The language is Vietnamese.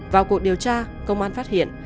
vào cuộc điều tra công an phát hiện